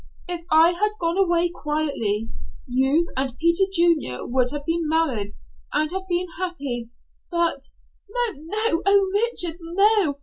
If I had gone away quietly, you and Peter Junior would have been married and have been happy but " "No, no. Oh, Richard, no.